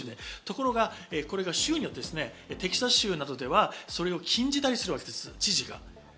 これが州によってテキサス州などでは、それを禁じたりするわけです、知事が。